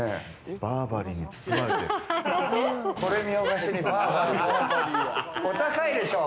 バーバリーに包まれてる。